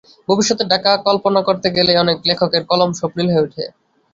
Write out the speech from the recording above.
ভবিষ্যতের ঢাকা কল্পনা করতে গেলেই অনেক লেখকের কলম স্বপ্নিল হয়ে ওঠে।